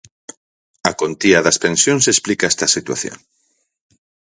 A contía das pensións explica esta situación.